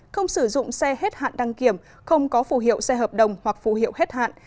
không sử dụng xe hết hạn đăng kiểm không có phù hiệu xe hợp đồng hoặc phụ hiệu hết hạn